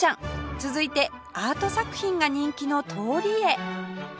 続いてアート作品が人気の通りへ